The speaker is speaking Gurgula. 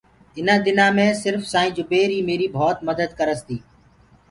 اُنآ دِنآ مينٚ سرڦ سآئيٚنٚ جُبير ميري ڀوت مَدت ڪَرس تي